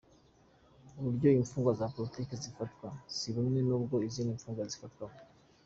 "Uburyo imfungwa za politiki zifatwa si bumwe n'ubwo izindi mfungwa zifatwamo.